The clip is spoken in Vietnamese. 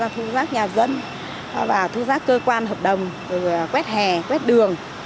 thu rác nhà dân thu rác cơ quan hợp đồng quét hè quét đường